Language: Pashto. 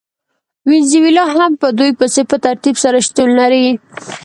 وینزویلا هم په دوی پسې په ترتیب سره شتون لري.